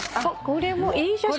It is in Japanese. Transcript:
これもいい写真。